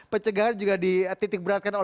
pencegahan juga dititik beratkan